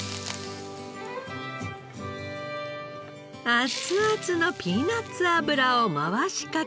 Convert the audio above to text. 熱々のピーナッツ油を回しかけて。